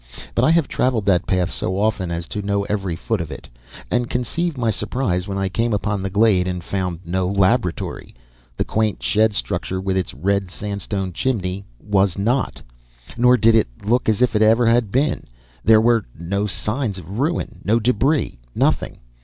But I have travelled that path so often as to know every foot of it, and conceive my surprise when I came upon the glade and found no laboratory. The quaint shed structure with its red sandstone chimney was not. Nor did it look as if it ever had been. There were no signs of ruin, no debris, nothing.